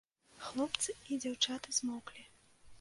Хлопцы і дзяўчаты змоўклі.